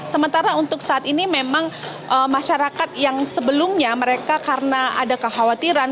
sementara untuk saat ini memang masyarakat yang sebelumnya mereka karena ada kekhawatiran